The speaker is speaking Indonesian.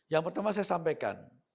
yang pertama saya sampaikan